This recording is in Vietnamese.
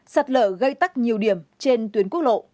sạt lở gây tắc nạn